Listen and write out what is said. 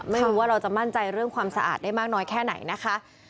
ไม่รู้ว่าเราจะมั่นใจเรื่องความสะอาดได้มากน้อยแค่ไหนนะคะ